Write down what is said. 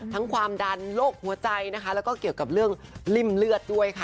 ความดันโรคหัวใจนะคะแล้วก็เกี่ยวกับเรื่องริ่มเลือดด้วยค่ะ